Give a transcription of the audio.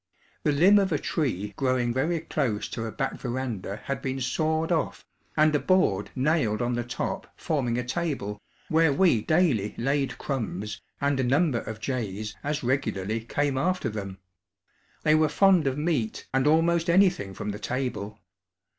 The limb of a tree growing very close to a back veranda had been sawed off and a board nailed on the top forming a table, where we daily laid crumbs and a number of jays as regularly came after them. They were fond of meat and almost anything from the table.